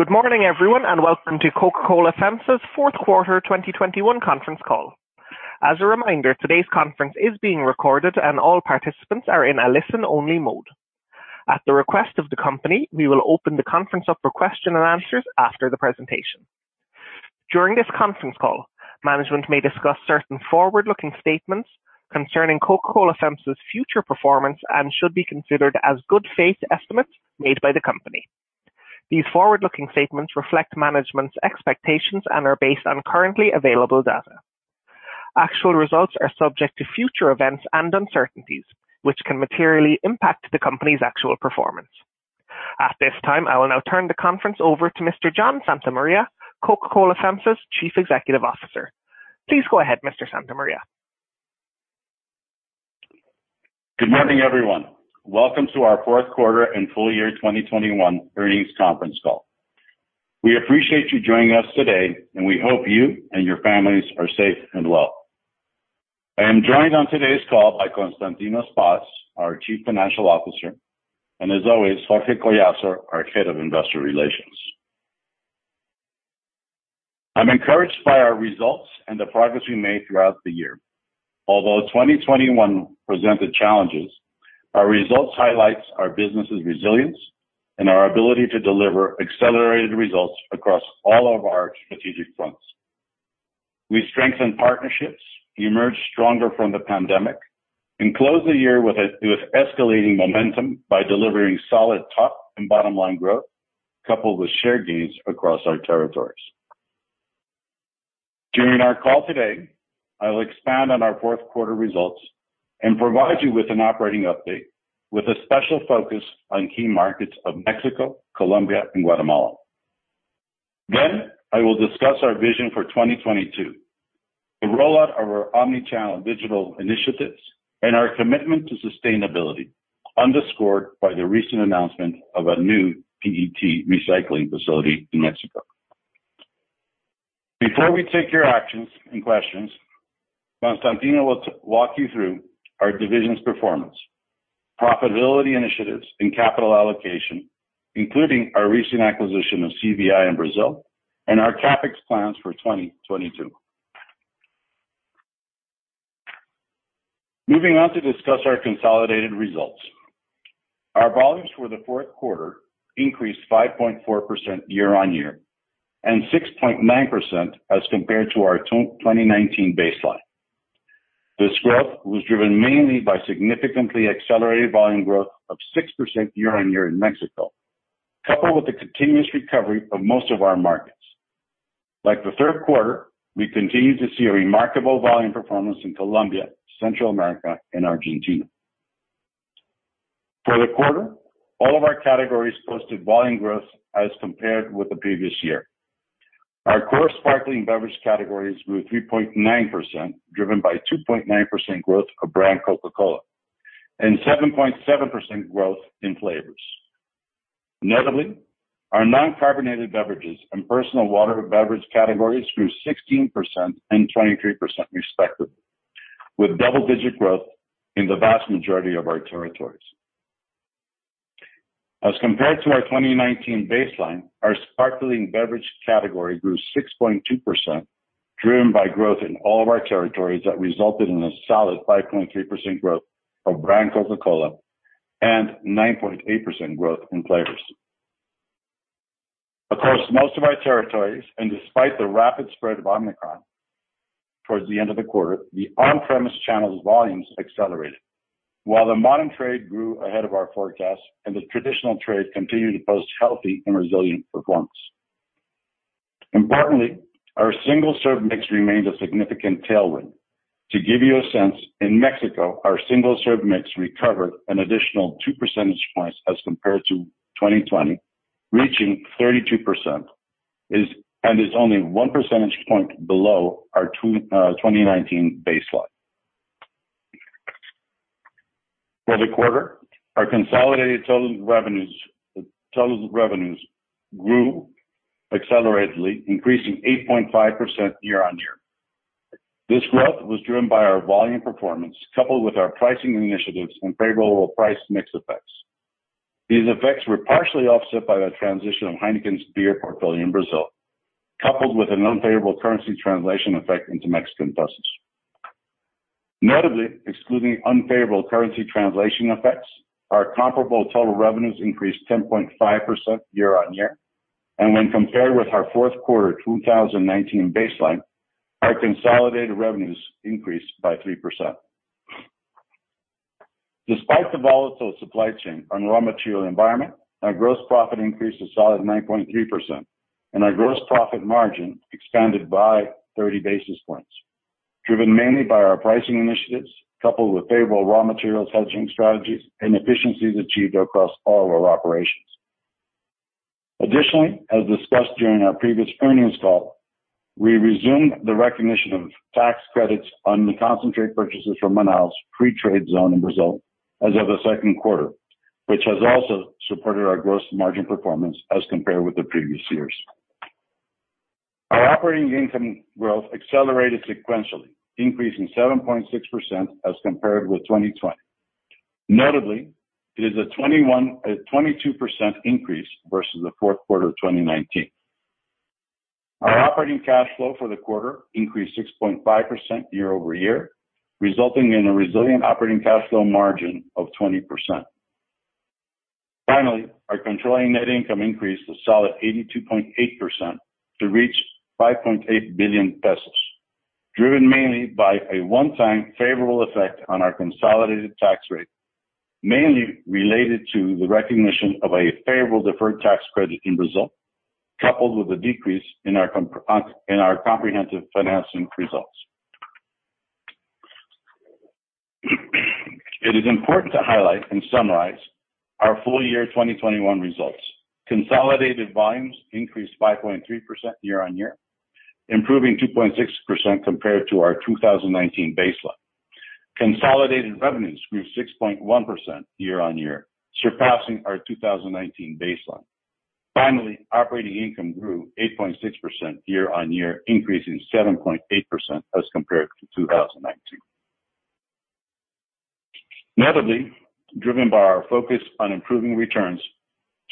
Good morning, everyone, and welcome to Coca-Cola FEMSA's fourth quarter 2021 conference call. As a reminder, today's conference is being recorded and all participants are in a listen-only mode. At the request of the company, we will open the conference up for question and answers after the presentation. During this conference call, management may discuss certain forward-looking statements concerning Coca-Cola FEMSA's future performance and should be considered as good faith estimates made by the company. These forward-looking statements reflect management's expectations and are based on currently available data. Actual results are subject to future events and uncertainties, which can materially impact the company's actual performance. At this time, I will now turn the conference over to Mr. John Santa Maria, Coca-Cola FEMSA's Chief Executive Officer. Please go ahead, Mr. Santa Maria. Good morning, everyone. Welcome to our fourth quarter and full year 2021 earnings conference call. We appreciate you joining us today, and we hope you and your families are safe and well. I am joined on today's call by Constantino Spas, our Chief Financial Officer, and as always, Jorge Collazo, our Head of Investor Relations. I'm encouraged by our results and the progress we made throughout the year. Although 2021 presented challenges, our results highlights our business's resilience and our ability to deliver accelerated results across all of our strategic fronts. We strengthened partnerships, we emerged stronger from the pandemic, and closed the year with escalating momentum by delivering solid top and bottom line growth, coupled with share gains across our territories. During our call today, I will expand on our fourth quarter results and provide you with an operating update, with a special focus on key markets of Mexico, Colombia, and Guatemala. Then, I will discuss our vision for 2022, the rollout of our omnichannel and digital initiatives, and our commitment to sustainability, underscored by the recent announcement of a new PET recycling facility in Mexico. Before we take your actions and questions, Constantino will walk you through our divisions' performance, profitability initiatives, and capital allocation, including our recent acquisition of CVI in Brazil and our CapEx plans for 2022. Moving on to discuss our consolidated results. Our volumes for the fourth quarter increased 5.4% year-on-year, and 6.9% as compared to our 2019 baseline. This growth was driven mainly by significantly accelerated volume growth of 6% year-on-year in Mexico, coupled with the continuous recovery of most of our markets. Like the third quarter, we continued to see a remarkable volume performance in Colombia, Central America, and Argentina. For the quarter, all of our categories posted volume growth as compared with the previous year. Our core sparkling beverage categories grew 3.9%, driven by 2.9% growth of brand Coca-Cola, and 7.7% growth in flavors. Notably, our non-carbonated beverages and personal water beverage categories grew 16% and 23%, respectively, with double-digit growth in the vast majority of our territories. As compared to our 2019 baseline, our sparkling beverage category grew 6.2%, driven by growth in all of our territories that resulted in a solid 5.3% growth of brand Coca-Cola and 9.8% growth in flavors. Across most of our territories, and despite the rapid spread of Omicron towards the end of the quarter, the on-premise channel's volumes accelerated, while the modern trade grew ahead of our forecast and the traditional trade continued to post healthy and resilient performance. Importantly, our single-serve mix remained a significant tailwind. To give you a sense, in Mexico, our single-serve mix recovered an additional two percentage points as compared to 2020, reaching 32%, and is only one percentage point below our 2019 baseline. For the quarter, our consolidated total revenues grew acceleratedly, increasing 8.5% year-on-year. This growth was driven by our volume performance, coupled with our pricing initiatives and favorable price mix effects. These effects were partially offset by the transition of Heineken's beer portfolio in Brazil, coupled with an unfavorable currency translation effect into Mexican pesos. Notably, excluding unfavorable currency translation effects, our comparable total revenues increased 10.5% year-on-year, and when compared with our fourth quarter 2019 baseline, our consolidated revenues increased by 3%. Despite the volatile supply chain and raw material environment, our gross profit increased a solid 9.3%, and our gross profit margin expanded by 30 basis points, driven mainly by our pricing initiatives, coupled with favorable raw materials hedging strategies and efficiencies achieved across all our operations. Additionally, as discussed during our previous earnings call, we resumed the recognition of tax credits on the concentrate purchases from Manaus Free Trade Zone in Brazil as of the second quarter, which has also supported our gross margin performance as compared with the previous years. Operating income growth accelerated sequentially, increasing 7.6% as compared with 2020. Notably, it is a 22% increase versus the fourth quarter of 2019. Our operating cash flow for the quarter increased 6.5% year-over-year, resulting in a resilient operating cash flow margin of 20%. Finally, our controlling net income increased a solid 82.8% to reach 5.8 billion pesos, driven mainly by a one-time favorable effect on our consolidated tax rate, mainly related to the recognition of a favorable deferred tax credit in Brazil, coupled with a decrease in our comprehensive financing results. It is important to highlight and summarize our full year 2021 results. Consolidated volumes increased 5.3% year-on-year, improving 2.6% compared to our 2019 baseline. Consolidated revenues grew 6.1% year-on-year, surpassing our 2019 baseline. Finally, operating income grew 8.6% year-on-year, increasing 7.8% as compared to 2019. Notably, driven by our focus on improving returns,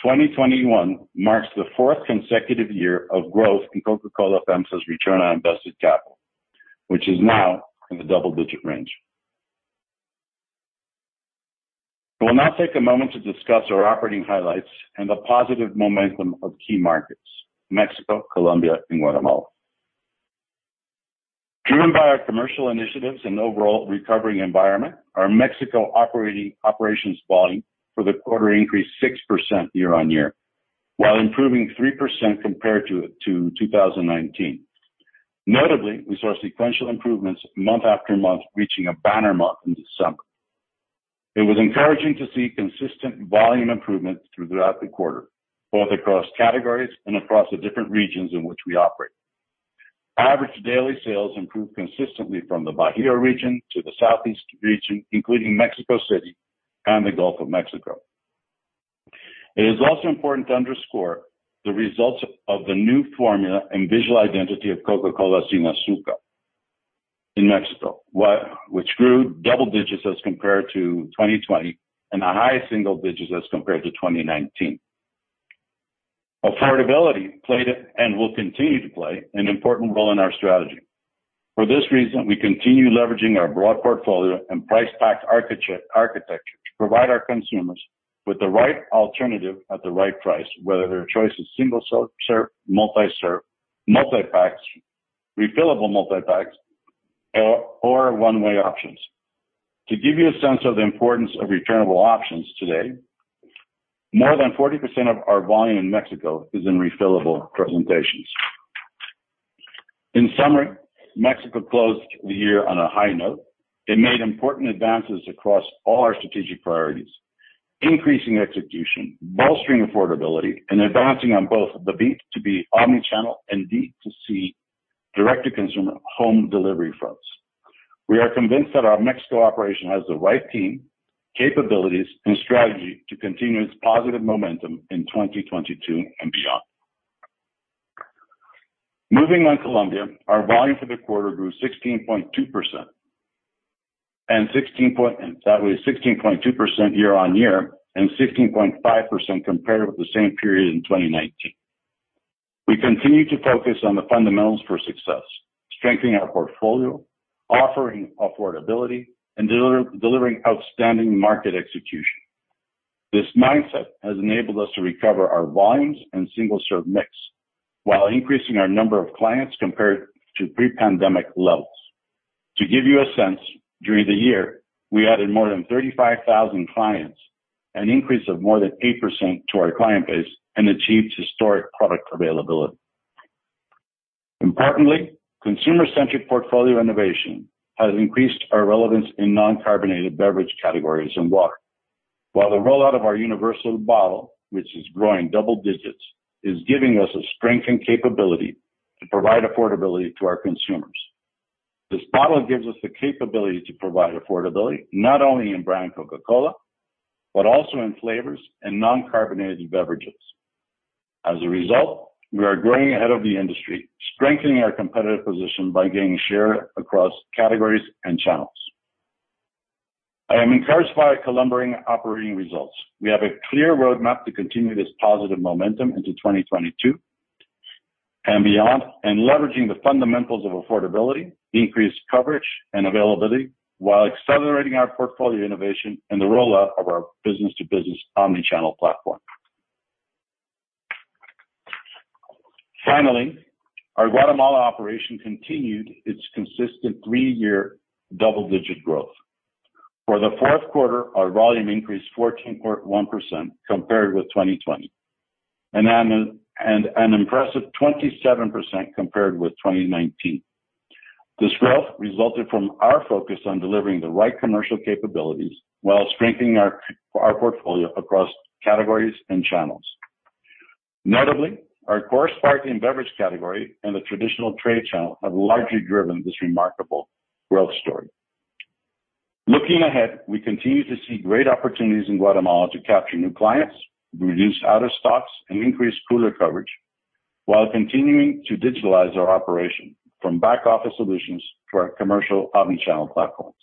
2021 marks the fourth consecutive year of growth in Coca-Cola FEMSA's return on invested capital, which is now in the double-digit range. We'll now take a moment to discuss our operating highlights and the positive momentum of key markets, Mexico, Colombia, and Guatemala. Driven by our commercial initiatives and overall recovering environment, our Mexico operations volume for the quarter increased 6% year-on-year, while improving 3% compared to 2019. Notably, we saw sequential improvements month after month, reaching a banner month in December. It was encouraging to see consistent volume improvements throughout the quarter, both across categories and across the different regions in which we operate. Average daily sales improved consistently from the Baja region to the Southeast region, including Mexico City and the Gulf of Mexico. It is also important to underscore the results of the new formula and visual identity of Coca-Cola Sin Azúcar in Mexico, which grew double digits as compared to 2020, and the highest single digits as compared to 2019. Affordability played and will continue to play an important role in our strategy. For this reason, we continue leveraging our broad portfolio and price-pack architecture to provide our consumers with the right alternative at the right price, whether their choice is single-serve, multi-serve, multi-packs, refillable multi-packs, or one-way options. To give you a sense of the importance of returnable options today, more than 40% of our volume in Mexico is in refillable presentations. In summary, Mexico closed the year on a high note. It made important advances across all our strategic priorities, increasing execution, bolstering affordability, and advancing on both the B2B omni-channel and D2C, direct-to-consumer home delivery fronts. We are convinced that our Mexico operation has the right team, capabilities, and strategy to continue its positive momentum in 2022 and beyond. Moving on to Colombia, our volume for the quarter grew 16.2% year-on-year and 16.5% compared with the same period in 2019. We continue to focus on the fundamentals for success, strengthening our portfolio, offering affordability, and delivering outstanding market execution. This mindset has enabled us to recover our volumes and single-serve mix, while increasing our number of clients compared to pre-pandemic levels. To give you a sense, during the year, we added more than 35,000 clients, an increase of more than 8% to our client base, and achieved historic product availability. Importantly, consumer-centric portfolio innovation has increased our relevance in non-carbonated beverage categories and water. While the rollout of our Universal Bottle, which is growing double digits, is giving us a strengthened capability to provide affordability to our consumers. This bottle gives us the capability to provide affordability, not only in brand Coca-Cola, but also in flavors and non-carbonated beverages. As a result, we are growing ahead of the industry, strengthening our competitive position by gaining share across categories and channels. I am encouraged by Colombian operating results. We have a clear roadmap to continue this positive momentum into 2022 and beyond, and leveraging the fundamentals of affordability, increased coverage and availability, while accelerating our portfolio innovation and the rollout of our business-to-business omni-channel platform. Finally, our Guatemala operation continued its consistent three-year double-digit growth. For the fourth quarter, our volume increased 14.1% compared with 2020, and an impressive 27% compared with 2019. This growth resulted from our focus on delivering the right commercial capabilities while strengthening our portfolio across categories and channels. Notably, our core sparkling beverage category and the traditional trade channel have largely driven this remarkable growth story. Looking ahead, we continue to see great opportunities in Guatemala to capture new clients, reduce out-of-stocks, and increase cooler coverage, while continuing to digitalize our operation, from back office solutions to our commercial omnichannel platforms.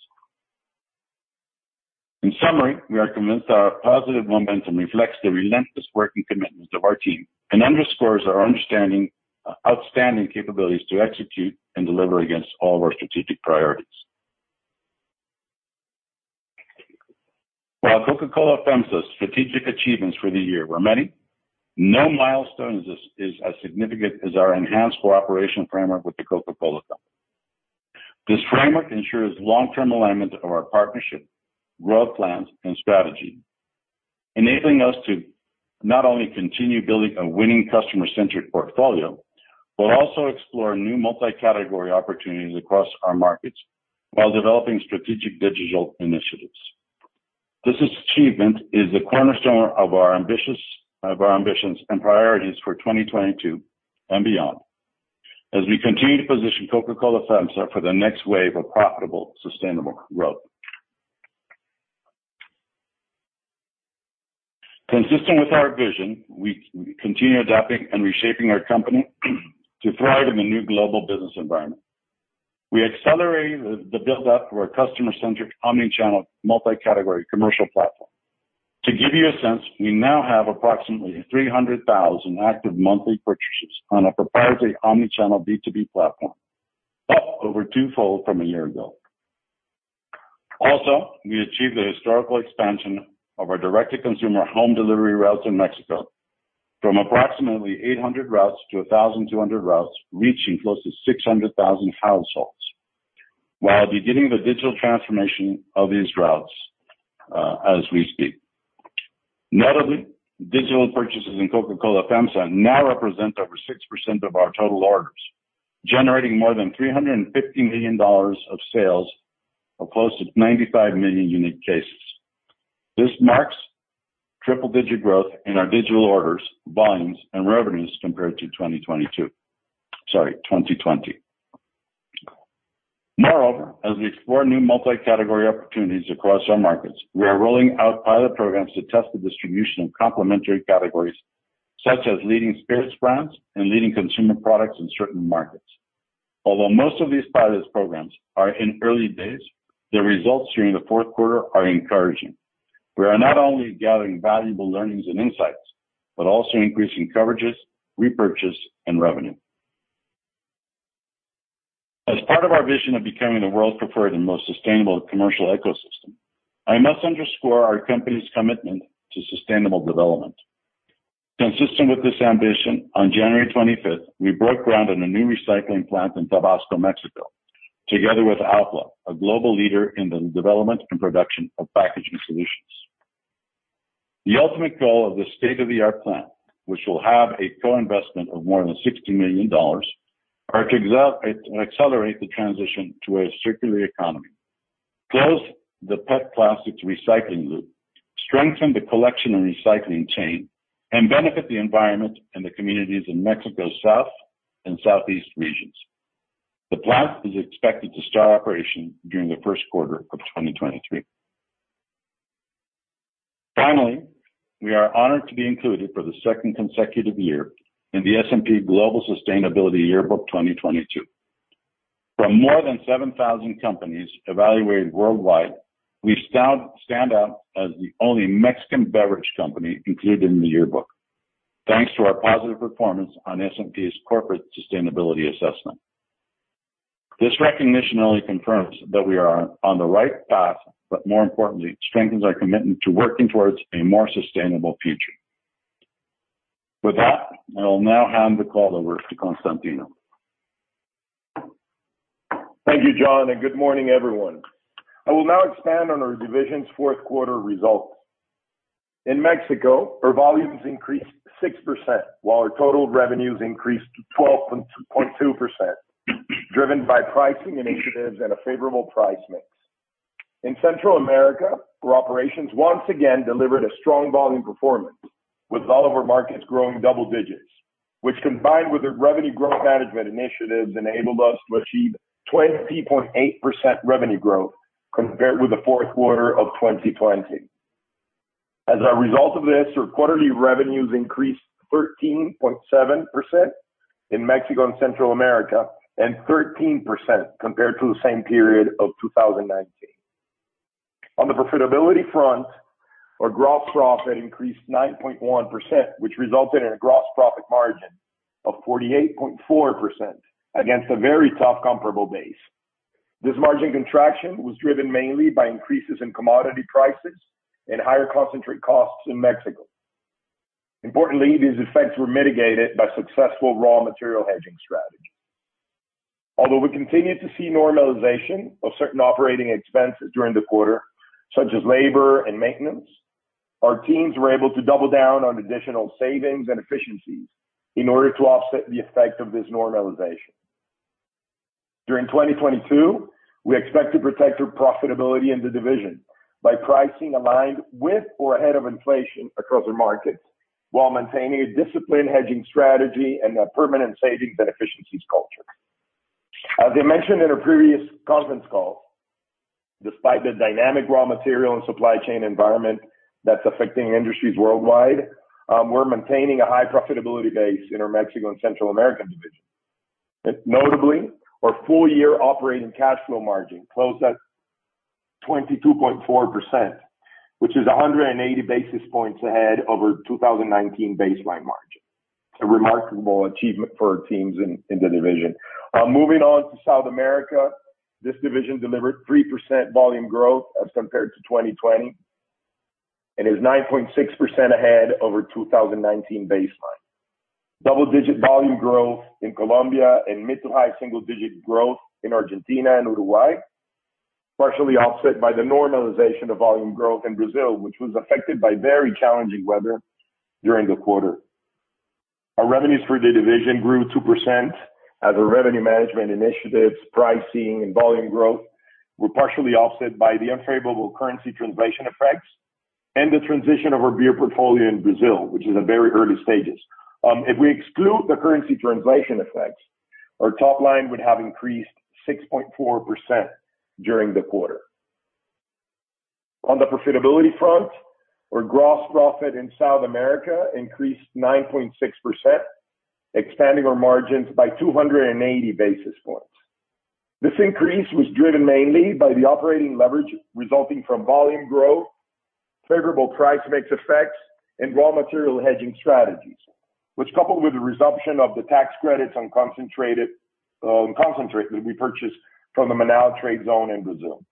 In summary, we are convinced our positive momentum reflects the relentless working commitment of our team and underscores our outstanding capabilities to execute and deliver against all of our strategic priorities. While Coca-Cola FEMSA's strategic achievements for the year were many, no milestone is as significant as our enhanced cooperation framework with The Coca-Cola Company. This framework ensures long-term alignment of our partnership, growth plans, and strategy, enabling us to not only continue building a winning customer-centric portfolio, but also explore new multi-category opportunities across our markets while developing strategic digital initiatives. This achievement is the cornerstone of our ambitions and priorities for 2022 and beyond, as we continue to position Coca-Cola FEMSA for the next wave of profitable, sustainable growth. Consistent with our vision, we continue adapting and reshaping our company to thrive in the new global business environment. We accelerated the build-up to our customer-centric, omni-channel, multi-category commercial platform. To give you a sense, we now have approximately 300,000 active monthly purchasers on our proprietary omni-channel B2B platform, up over twofold from a year ago. Also, we achieved the historical expansion of our direct-to-consumer home delivery routes in Mexico, from approximately 800 routes to 1,200 routes, reaching close to 600,000 households, while beginning the digital transformation of these routes, as we speak. Notably, digital purchases in Coca-Cola FEMSA now represent over 6% of our total orders, generating more than $350 million of sales or close to 95 million unique cases. This marks triple-digit growth in our digital orders, volumes, and revenues compared to 2022. Sorry, 2020. Moreover, as we explore new multi-category opportunities across our markets, we are rolling out pilot programs to test the distribution of complementary categories, such as leading spirits brands and leading consumer products in certain markets. Although most of these pilot programs are in early days, the results during the fourth quarter are encouraging. We are not only gathering valuable learnings and insights, but also increasing coverages, repurchase, and revenue. As part of our vision of becoming the world's preferred and most sustainable commercial ecosystem, I must underscore our company's commitment to sustainable development. Consistent with this ambition, on January 25th, we broke ground on a new recycling plant in Tabasco, Mexico, together with ALPLA, a global leader in the development and production of packaging solutions. The ultimate goal of this state-of-the-art plant, which will have a co-investment of more than $60 million, are to accelerate the transition to a circular economy, close the PET plastics recycling loop, strengthen the collection and recycling chain, and benefit the environment and the communities in Mexico's south and southeast regions. The plant is expected to start operation during the first quarter of 2023. Finally, we are honored to be included for the second consecutive year in the S&P Global Sustainability Yearbook 2022. From more than 7,000 companies evaluated worldwide, we stand out as the only Mexican beverage company included in the yearbook, thanks to our positive performance on S&P's Corporate Sustainability Assessment. This recognition only confirms that we are on the right path, but more importantly, it strengthens our commitment to working towards a more sustainable future. With that, I will now hand the call over to Constantino. Thank you, John, and good morning, everyone. I will now expand on our division's fourth quarter results. In Mexico, our volumes increased 6%, while our total revenues increased 12.2%, driven by pricing initiatives and a favorable price mix. In Central America, our operations once again delivered a strong volume performance with all of our markets growing double digits, which combined with the revenue growth management initiatives, enabled us to achieve 20.8% revenue growth compared with the fourth quarter of 2020. As a result of this, our quarterly revenues increased 13.7% in Mexico and Central America, and 13% compared to the same period of 2019. On the profitability front, our gross profit increased 9.1%, which resulted in a gross profit margin of 48.4% against a very tough, comparable base. This margin contraction was driven mainly by increases in commodity prices and higher concentrate costs in Mexico. Importantly, these effects were mitigated by successful raw material hedging strategy. Although we continued to see normalization of certain operating expenses during the quarter, such as labor and maintenance, our teams were able to double down on additional savings and efficiencies in order to offset the effect of this normalization. During 2022, we expect to protect our profitability in the division by pricing aligned with or ahead of inflation across our markets, while maintaining a disciplined hedging strategy and a permanent savings and efficiencies culture. As I mentioned in our previous conference call, despite the dynamic raw material and supply chain environment that's affecting industries worldwide, we're maintaining a high profitability base in our Mexico and Central American division. Notably, our full year operating cash flow margin closed at 22.4%, which is 180 basis points ahead over 2019 baseline margin. A remarkable achievement for our teams in the division. Moving on to South America, this division delivered 3% volume growth as compared to 2020, and is 9.6% ahead over 2019 baseline. Double-digit volume growth in Colombia and mid- to high-single-digit growth in Argentina and Uruguay, partially offset by the normalization of volume growth in Brazil, which was affected by very challenging weather during the quarter. Our revenues for the division grew 2% as our revenue management initiatives, pricing and volume growth, were partially offset by the unfavorable currency translation effects and the transition of our beer portfolio in Brazil, which is in very early stages. If we exclude the currency translation effects, our top line would have increased 6.4% during the quarter. On the profitability front, our gross profit in South America increased 9.6%, expanding our margins by 280 basis points. This increase was driven mainly by the operating leverage resulting from volume growth, favorable price mix effects, and raw material hedging strategies, which, coupled with the resumption of the tax credits on concentrate that we purchased from the Manaus Free Trade Zone in Brazil.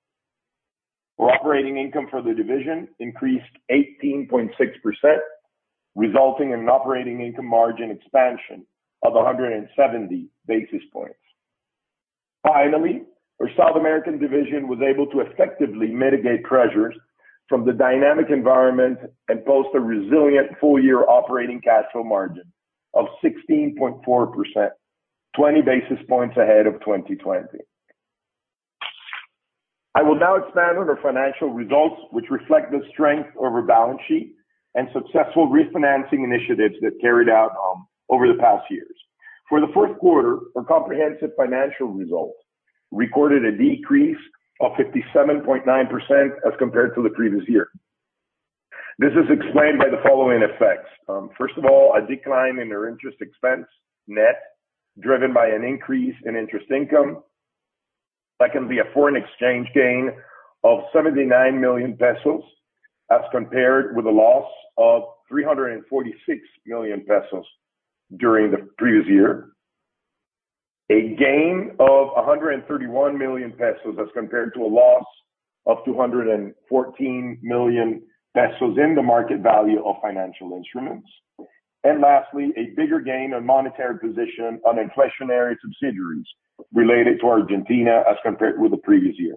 Our operating income for the division increased 18.6%, resulting in an operating income margin expansion of 170 basis points. Finally, our South American division was able to effectively mitigate pressures from the dynamic environment and post a resilient full year operating cash flow margin of 16.4%, 20 basis points ahead of 2020. I will now expand on our financial results, which reflect the strength of our balance sheet and successful refinancing initiatives that carried out over the past years. For the fourth quarter, our comprehensive financial results recorded a decrease of 57.9% as compared to the previous year. This is explained by the following effects. First of all, a decline in our interest expense net, driven by an increase in interest income. Second, a foreign exchange gain of 79 million pesos, as compared with a loss of 346 million pesos during the previous year. A gain of 131 million pesos, as compared to a loss of 214 million pesos in the market value of financial instruments. Lastly, a bigger gain on monetary position on inflationary subsidiaries related to Argentina as compared with the previous year.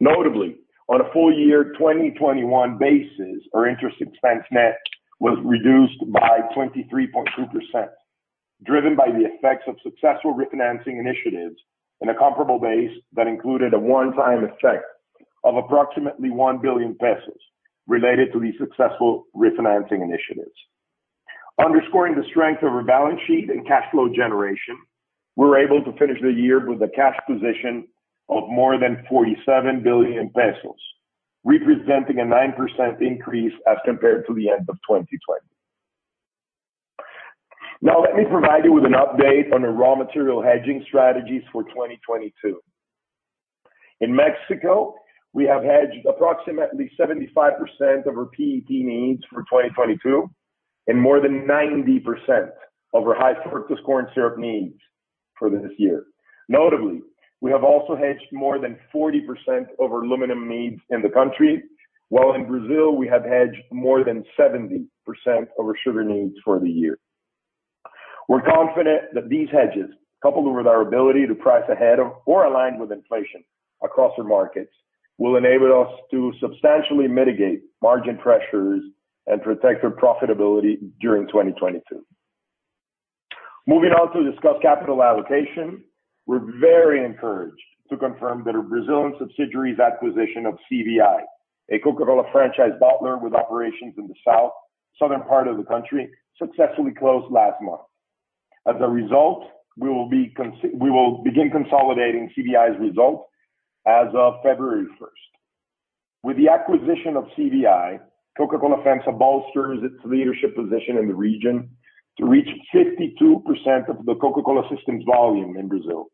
Notably, on a full-year 2021 basis, our interest expense net was reduced by 23.2%, driven by the effects of successful refinancing initiatives in a comparable base that included a one-time effect of approximately 1 billion pesos related to these successful refinancing initiatives. Underscoring the strength of our balance sheet and cash flow generation, we were able to finish the year with a cash position of more than 47 billion pesos, representing a 9% increase as compared to the end of 2020. Now, let me provide you with an update on our raw material hedging strategies for 2022. In Mexico, we have hedged approximately 75% of our PET needs for 2022, and more than 90% of our high fructose corn syrup needs for this year. Notably, we have also hedged more than 40% of our aluminum needs in the country, while in Brazil, we have hedged more than 70% of our sugar needs for the year. We're confident that these hedges, coupled with our ability to price ahead of or align with inflation across the markets, will enable us to substantially mitigate margin pressures and protect our profitability during 2022. Moving on to discuss capital allocation. We're very encouraged to confirm that our Brazilian subsidiary's acquisition of CVI, a Coca-Cola franchise bottler with operations in the southern part of the country, successfully closed last month. As a result, we will begin consolidating CVI's results as of February first. With the acquisition of CVI, Coca-Cola FEMSA bolsters its leadership position in the region to reach 52% of the Coca-Cola system's volume in Brazil,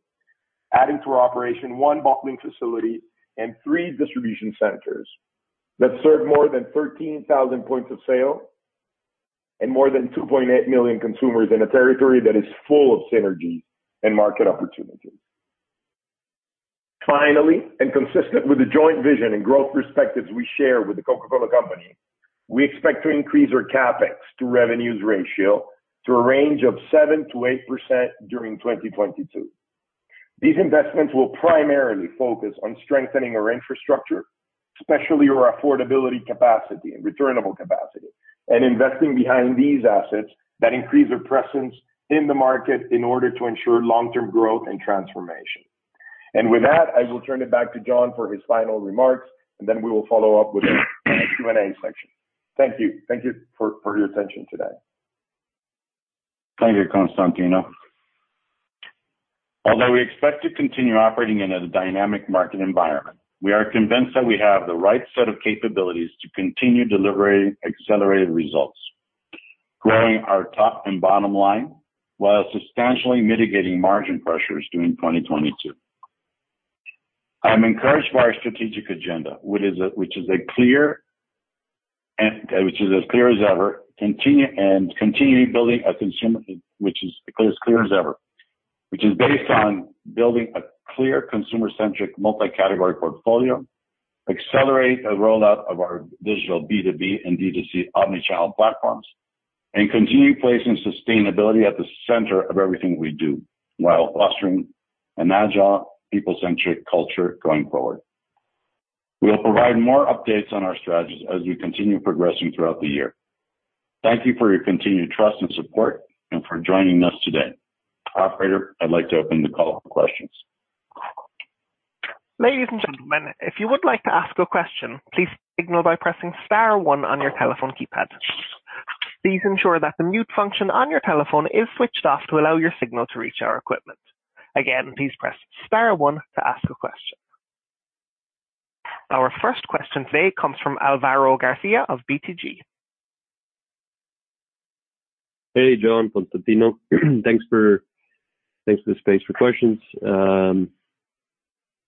adding to our operation one bottling facility and three distribution centers that serve more than 13,000 points of sale and more than 2.8 million consumers in a territory that is full of synergies and market opportunities. Finally, and consistent with the joint vision and growth perspectives we share with the Coca-Cola Company, we expect to increase our CapEx to revenues ratio to a range of 7%-8% during 2022. These investments will primarily focus on strengthening our infrastructure, especially our affordability capacity and returnable capacity, and investing behind these assets that increase their presence in the market in order to ensure long-term growth and transformation. With that, I will turn it back to John for his final remarks, and then we will follow up with a Q&A section. Thank you. Thank you for your attention today. Thank you, Constantino. Although we expect to continue operating in a dynamic market environment, we are convinced that we have the right set of capabilities to continue delivering accelerated results, growing our top and bottom line while substantially mitigating margin pressures during 2022. I'm encouraged by our strategic agenda, which is as clear as ever. Which is based on building a clear consumer-centric, multi-category portfolio, accelerate the rollout of our digital B2B and B2C omni-channel platforms, and continue placing sustainability at the center of everything we do, while fostering an agile, people-centric culture going forward. We'll provide more updates on our strategies as we continue progressing throughout the year. Thank you for your continued trust and support, and for joining us today. Operator, I'd like to open the call for questions. Ladies and gentlemen, if you would like to ask a question, please signal by pressing star one on your telephone keypad. Please ensure that the mute function on your telephone is switched off to allow your signal to reach our equipment. Again, please press star one to ask a question. Our first question today comes from Álvaro García of BTG. Hey, John, Constantino. Thanks for- thanks for the space for questions.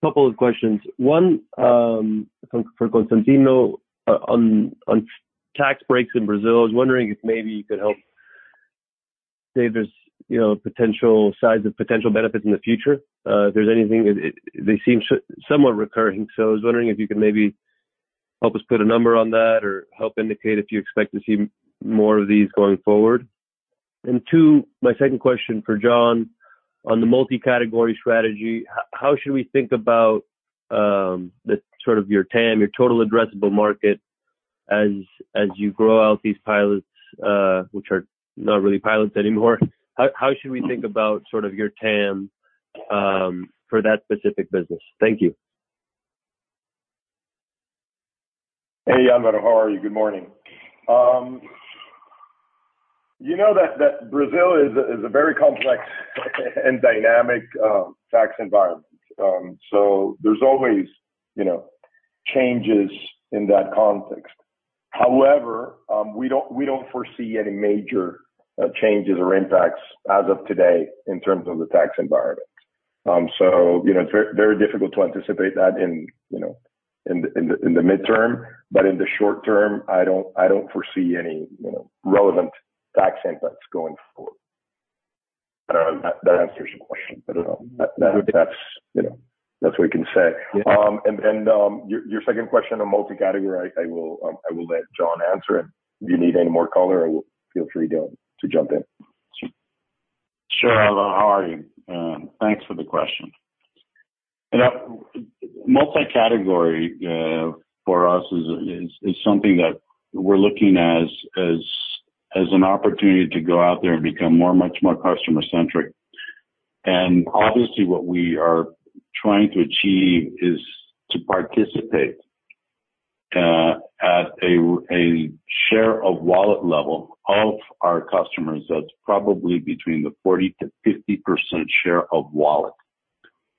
Couple of questions. One, for Constantino, on tax breaks in Brazil, I was wondering if maybe you could help say there's, you know, potential size of potential benefits in the future, if there's anything. They seem somewhat recurring, so I was wondering if you could maybe help us put a number on that or help indicate if you expect to see more of these going forward. And two, my second question for John, on the multi-category strategy, how should we think about the sort of your TAM, your total addressable market, as you grow out these pilots, which are not really pilots anymore? How should we think about sort of your TAM for that specific business? Thank you. Hey, Álvaro, how are you? Good morning. You know that Brazil is a very complex and dynamic tax environment. So there's always, you know, changes in that context. However, we don't foresee any major changes or impacts as of today in terms of the tax environment. So, you know, it's very difficult to anticipate that in, you know, in the midterm, but in the short term, I don't foresee any, you know, relevant tax impacts going forward. I don't know if that answers your question. I don't know. That's, you know, that's what we can say. Yeah. And your second question on multi-category, I will let John answer, and if you need any more color, I will feel free to jump in. Sure. Álvaro, how are you? Thanks for the question. You know, multi-category for us is something that we're looking as an opportunity to go out there and become much more customer centric. And obviously, what we are trying to achieve is to participate at a share of wallet level of our customers, that's probably between 40%-50% share of wallet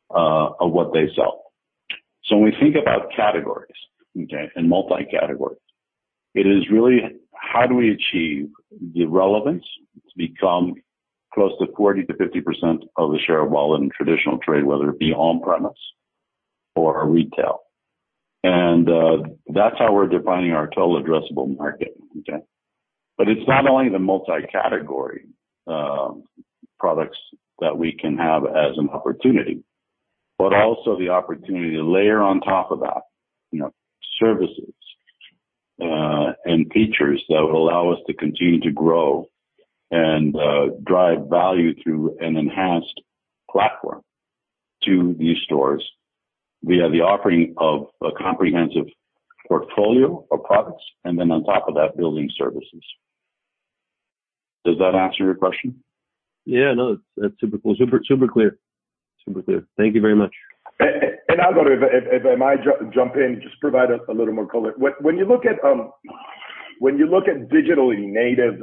of what they sell. So when we think about categories, okay, and multi-categories, it is really how do we achieve the relevance to become close to 40%-50% of the share of wallet in traditional trade, whether it be on-premise or retail. And that's how we're defining our total addressable market, okay? But it's not only the multi-category products that we can have as an opportunity, but also the opportunity to layer on top of that, you know, services and features that will allow us to continue to grow and drive value through an enhanced platform to these stores via the offering of a comprehensive portfolio of products, and then on top of that, building services. Does that answer your question? Yeah, no, it's, it's super, super clear. Super clear. Thank you very much. Alvaro, if I might jump in, just provide a little more color. When you look at digitally native,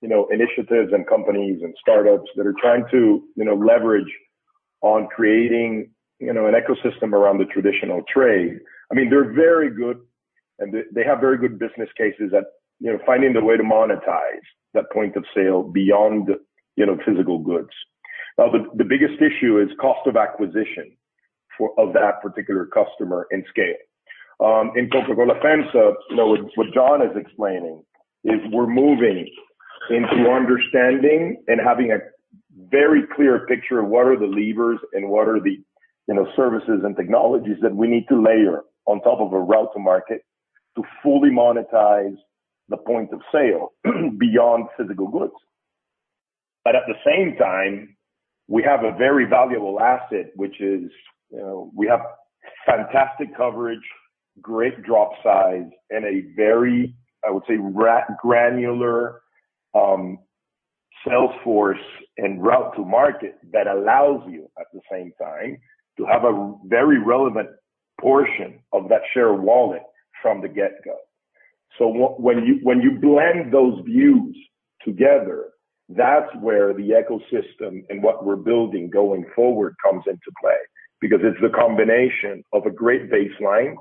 you know, initiatives and companies and startups that are trying to, you know, leverage on creating, you know, an ecosystem around the traditional trade, I mean, they're very good and they have very good business cases at, you know, finding a way to monetize that point of sale beyond, you know, physical goods. The biggest issue is cost of acquisition for that particular customer and scale. In Coca-Cola FEMSA, you know, what John is explaining is we're moving into understanding and having a very clear picture of what are the levers and what are the, you know, services and technologies that we need to layer on top of a route to market to fully monetize the point of sale, beyond physical goods, but at the same time, we have a very valuable asset, which is, you know, we have fantastic coverage, great drop size, and a very, I would say, granular sales force and route to market that allows you, at the same time, to have a very relevant portion of that share wallet from the get-go, so when you blend those views together, that's where the ecosystem and what we're building going forward comes into play. Because it's the combination of a great baseline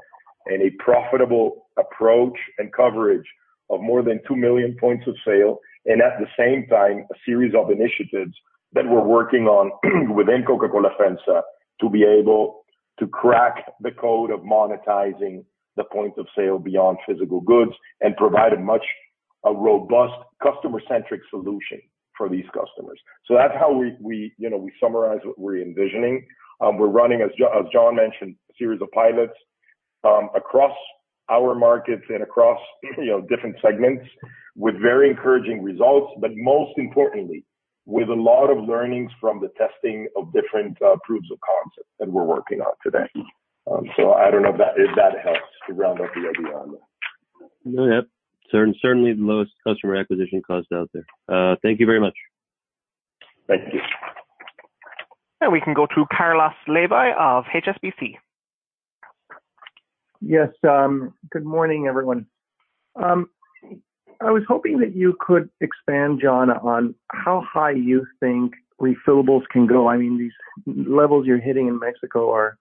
and a profitable approach and coverage of more than two million points of sale, and at the same time, a series of initiatives that we're working on within Coca-Cola FEMSA, to be able to crack the code of monetizing the point of sale beyond physical goods and provide a robust customer-centric solution for these customers. So that's how we, you know, we summarize what we're envisioning. We're running, as John mentioned, a series of pilots across our markets and across, you know, different segments with very encouraging results, but most importantly, with a lot of learnings from the testing of different proofs of concept that we're working on today. So I don't know if that helps to round up the idea on that. No, yep. Certainly the lowest customer acquisition cost out there. Thank you very much. Thank you. Now we can go to Carlos Laboy of HSBC. Yes, good morning, everyone. I was hoping that you could expand, John, on how high you think refillables can go. I mean, these levels you're hitting in Mexico are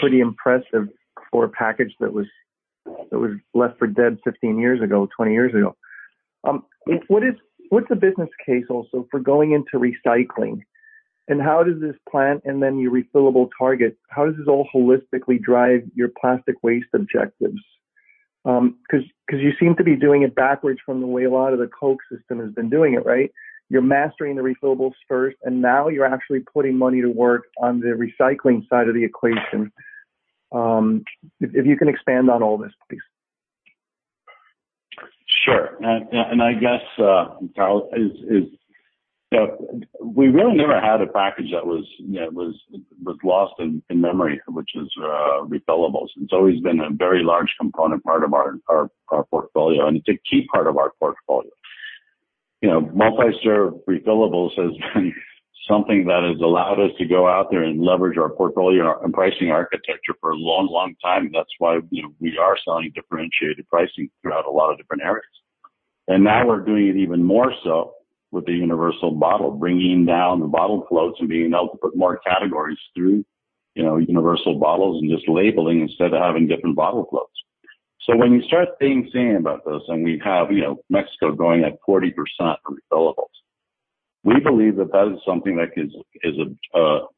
pretty impressive for a package that was left for dead 15 years ago, 20 years ago. What's the business case also for going into recycling? And how does this plant and then your refillable target, how does this all holistically drive your plastic waste objectives? 'Cause you seem to be doing it backwards from the way a lot of the Coke system has been doing it, right? You're mastering the refillables first, and now you're actually putting money to work on the recycling side of the equation. If you can expand on all this, please. Sure. And I guess, Carlos, is that we really never had a package that was, you know, was lost in memory, which is refillables. It's always been a very large component part of our portfolio, and it's a key part of our portfolio. You know, multi-serve refillables has been something that has allowed us to go out there and leverage our portfolio and our pricing architecture for a long time. That's why, you know, we are selling differentiated pricing throughout a lot of different areas. And now we're doing it even more so with the Universal Bottle, bringing down the bottle floats and being able to put more categories through, you know, Universal Bottles and just labeling instead of having different bottle floats. So when you start thinking about this, and we have, you know, Mexico going at 40% for refillables, we believe that that is something that is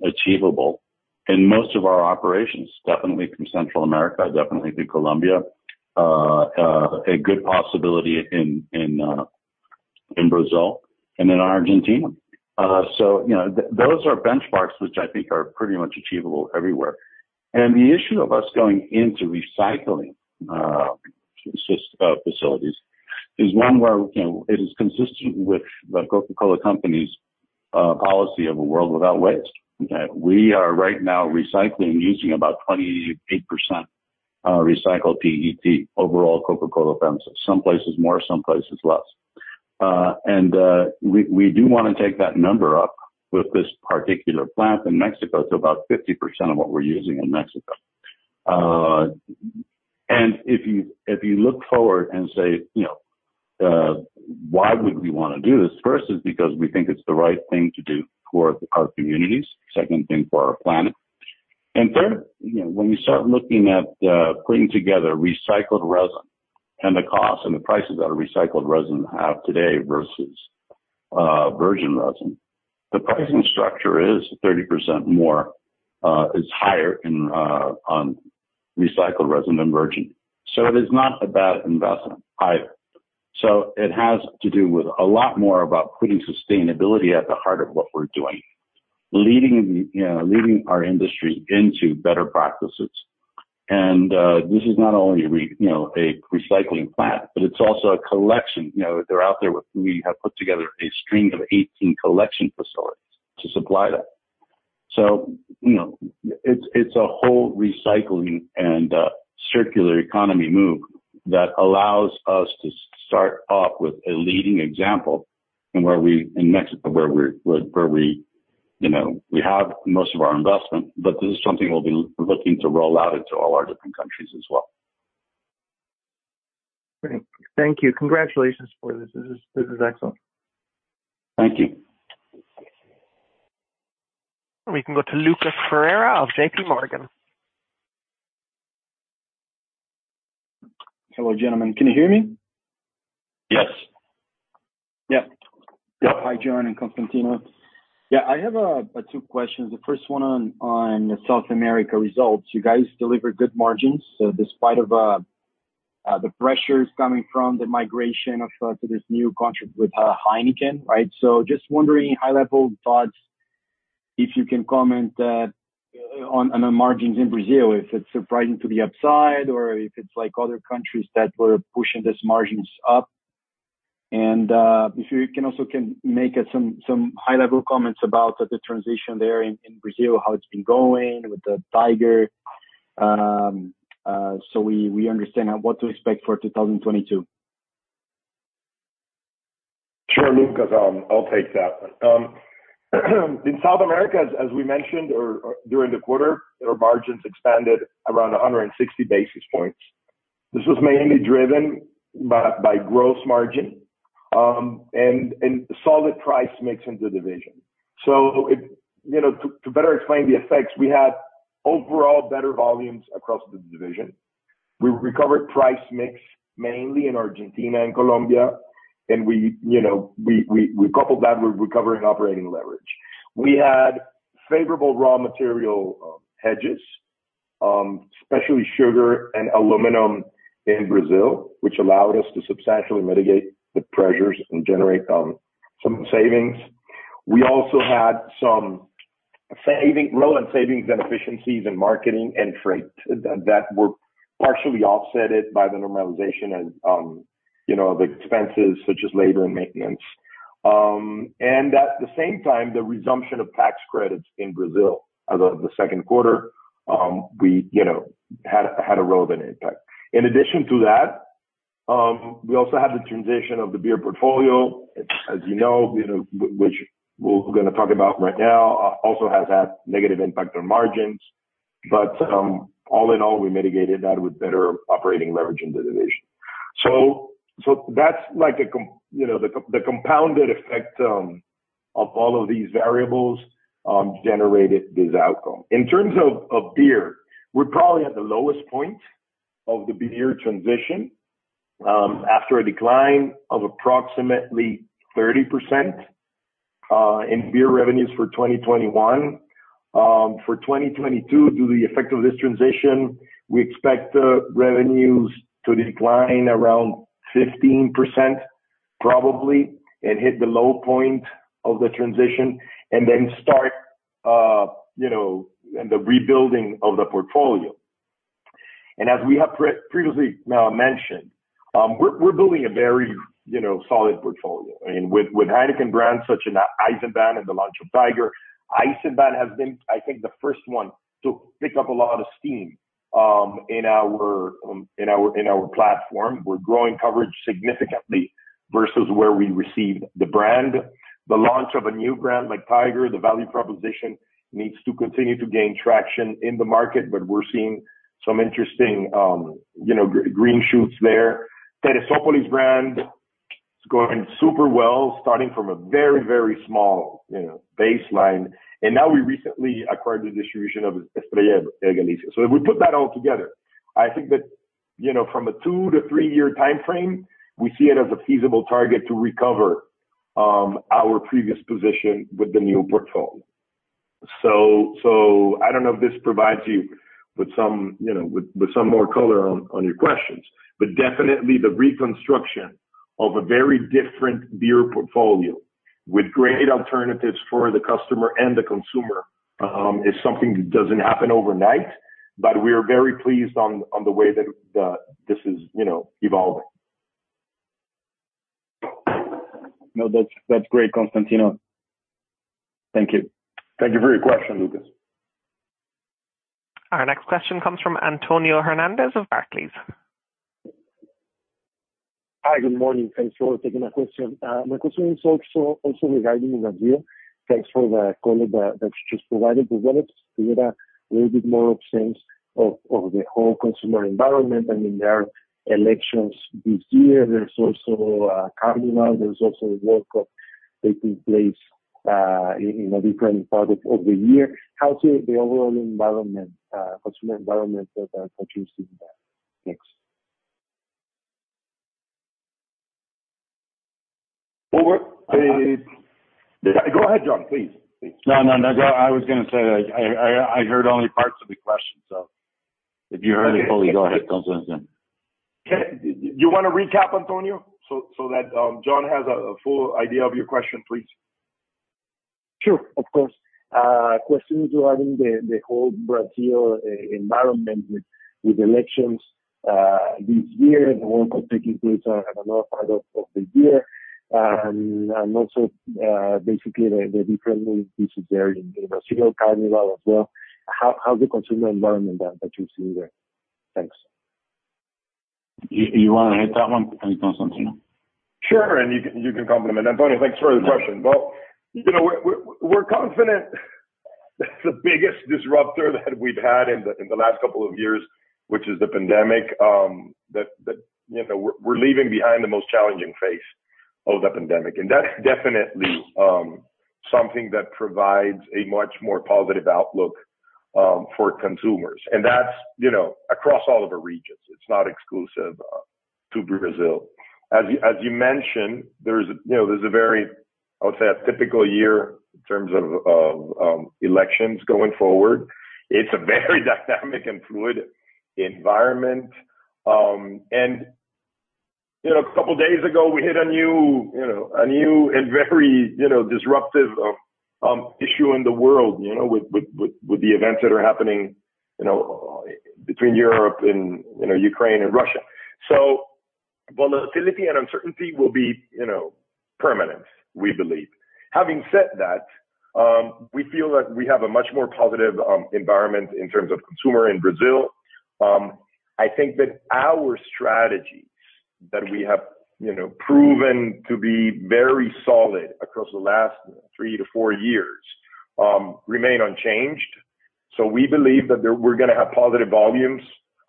achievable in most of our operations, definitely through Central America, definitely through Colombia, a good possibility in Brazil and then Argentina. So, you know, those are benchmarks which I think are pretty much achievable everywhere. And the issue of us going into recycling system facilities is one where, you know, it is consistent with the Coca-Cola Company's policy of a World Without Waste. Okay? We are right now recycling, using about 28% recycled PET overall Coca-Cola FEMSA. Some places more, some places less. And we do wanna take that number up with this particular plant in Mexico to about 50% of what we're using in Mexico. And if you look forward and say, you know, why would we wanna do this? First, is because we think it's the right thing to do towards our communities. Second thing, for our planet. And third, you know, when you start looking at putting together recycled resin and the costs and the prices that a recycled resin have today versus virgin resin, the pricing structure is 30% more, is higher on recycled resin than virgin. So it is not a bad investment either. So it has to do with a lot more about putting sustainability at the heart of what we're doing, leading, you know, leading our industry into better practices. And this is not only you know, a recycling plant, but it's also a collection. You know, they're out there with... We have put together a string of 18 collection facilities to supply that. So, you know, it's a whole recycling and circular economy move that allows us to start off with a leading example in where we, in Mexico, where we're, where we, you know, we have most of our investment, but this is something we'll be looking to roll out into all our different countries as well. Great. Thank you. Congratulations for this. This is, this is excellent. Thank you. We can go to Lucas Ferreira of JPMorgan. Hello, gentlemen. Can you hear me? Yes. Yeah. Yeah. Hi, John and Constantino. Yeah, I have two questions. The first one on South America results. You guys delivered good margins, so despite the pressures coming from the migration to this new contract with Heineken, right? So just wondering, high-level thoughts if you can comment on the margins in Brazil, if it's surprising to the upside or if it's like other countries that were pushing these margins up. And, if you can make us some high level comments about the transition there in Brazil, how it's been going with the Tiger, so we understand what to expect for 2022. Sure, Lucas, I'll take that. In South America, as we mentioned during the quarter, our margins expanded around 160 basis points. This was mainly driven by gross margin and solid price mix in the division. You know, to better explain the effects, we had overall better volumes across the division. We recovered price mix, mainly in Argentina and Colombia, and we, you know, coupled that with recovering operating leverage. We had favorable raw material hedges, especially sugar and aluminum in Brazil, which allowed us to substantially mitigate the pressures and generate some savings. We also had some relevant savings and efficiencies in marketing and freight that were partially offset by the normalization and, you know, the expenses such as labor and maintenance. And at the same time, the resumption of tax credits in Brazil as of the second quarter, you know, had a relevant impact. In addition to that, we also had the transition of the beer portfolio, as you know, which we're gonna talk about right now, also has had negative impact on margins. But, all in all, we mitigated that with better operating leverage in the division. That's like, you know, the compounded effect of all of these variables generated this outcome. In terms of beer, we're probably at the lowest point of the beer transition, after a decline of approximately 30% in beer revenues for 2021. For 2022, due to the effect of this transition, we expect the revenues to decline around 15%, probably, and hit the low point of the transition and then start, you know, in the rebuilding of the portfolio, and as we have previously mentioned, we're building a very, you know, solid portfolio. I mean, with Heineken brands such as Eisenbahn and the launch of Tiger. Eisenbahn has been, I think, the first one to pick up a lot of steam in our platform. We're growing coverage significantly versus where we received the brand. The launch of a new brand like Tiger, the value proposition needs to continue to gain traction in the market, but we're seeing some interesting, you know, green shoots there. Therezópolis brand is going super well, starting from a very, very small, you know, baseline. And now we recently acquired the distribution of Estrella Galicia. So if we put that all together, I think that, you know, from a two to three-year timeframe, we see it as a feasible target to recover our previous position with the new portfolio. So I don't know if this provides you with some, you know, with some more color on your questions. But definitely the reconstruction of a very different beer portfolio with great alternatives for the customer and the consumer is something that doesn't happen overnight, but we are very pleased on the way that this is, you know, evolving. No, that's, that's great, Constantino. Thank you. Thank you for your question, Lucas. Our next question comes from Antonio Hernández of Barclays. Hi, good morning. Thanks for taking my question. My question is also regarding Brazil. Thanks for the color that you just provided. But what gives you a little bit more sense of the whole consumer environment? I mean, there are elections this year. There's also Carnival. There's also World Cup taking place in a different part of the year. How is the overall environment, consumer environment that you're seeing there? Thanks. Over. Go ahead, John, please. No, no, that's all. I was gonna say, I heard only parts of the question, so if you heard it fully, go ahead, Constantino. Okay. Do you wanna recap, Antonio, so that John has a full idea of your question, please? Sure. Of course. Question regarding the whole Brazil environment with elections this year and the World Cup taking place at another part of the year. And also, basically the different moving pieces there in, you know, Carnival as well. How is the consumer environment that you're seeing there? Thanks. You wanna hit that one, Constantino? Sure, and you can, you can complement. Antonio, thanks for the question. Well, you know, we're confident the biggest disruptor that we've had in the last couple of years, which is the pandemic, that you know, we're leaving behind the most challenging phase of the pandemic, and that's definitely something that provides a much more positive outlook for consumers. And that's, you know, across all of the regions. It's not exclusive to Brazil. As you mentioned, there's, you know, there's a very, I would say, a typical year in terms of elections going forward. It's a very dynamic and fluid environment, and-... You know, a couple days ago, we hit a new, you know, a new and very, you know, disruptive issue in the world, you know, with the events that are happening, you know, between Europe and, you know, Ukraine and Russia. So volatility and uncertainty will be, you know, permanent, we believe. Having said that, we feel that we have a much more positive environment in terms of consumer in Brazil. I think that our strategies that we have, you know, proven to be very solid across the last three to four years remain unchanged. So we believe that there, we're gonna have positive volumes.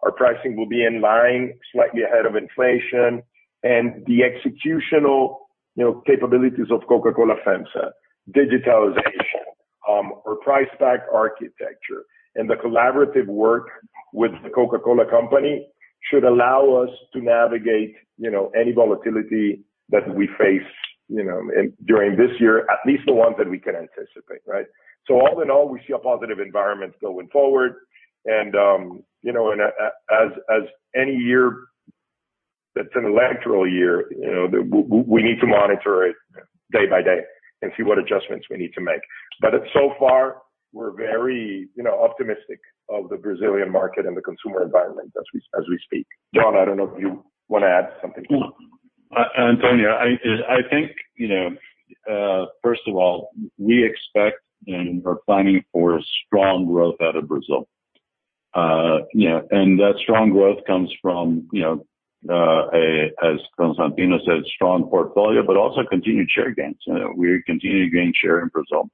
Our pricing will be in line, slightly ahead of inflation. And the executional, you know, capabilities of Coca-Cola FEMSA, digitalization, our price-pack architecture, and the collaborative work with the Coca-Cola Company should allow us to navigate, you know, any volatility that we face, you know, during this year, at least the ones that we can anticipate, right? So all in all, we see a positive environment going forward. And, you know, and as any year that's an electoral year, you know, we need to monitor it day by day and see what adjustments we need to make. But so far, we're very, you know, optimistic of the Brazilian market and the consumer environment as we speak. John, I don't know if you wanna add something. Antonio, I think, you know, first of all, we expect and are planning for strong growth out of Brazil. You know, and that strong growth comes from, you know, as Constantino said, strong portfolio, but also continued share gains. You know, we continue to gain share in Brazil.